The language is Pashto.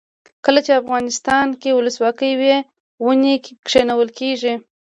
کله چې افغانستان کې ولسواکي وي ونې کینول کیږي.